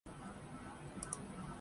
تو دوسرے کو بھی یہ حق حاصل ہے۔